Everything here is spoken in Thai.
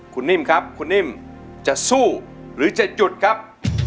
คุณนิ่มครับจะสู้หรือจะหยุดครับ